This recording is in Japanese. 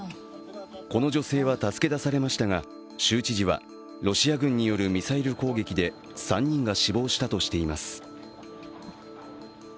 この女性は助け出されましたが、州知事は、ロシア軍によるミサイル攻撃で３人が死亡したとしています。